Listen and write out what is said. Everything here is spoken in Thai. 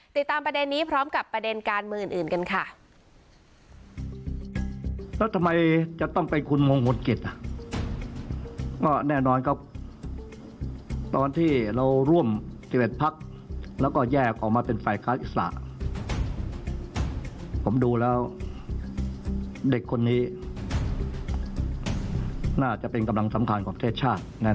ติดตามประเด็นนี้พร้อมกับประเด็นการเมืองอื่นกันค่ะ